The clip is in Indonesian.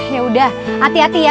yaudah hati hati ya